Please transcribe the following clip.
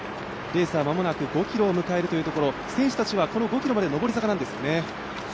レースは間もなく５ｋｍを迎えるというところ、選手たちはこの５ｋｍまで上り坂なんですよね。